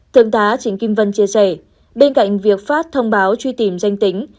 thượng tá trịnh kim vân chia sẻ bên cạnh việc phát thông báo truy tìm danh tính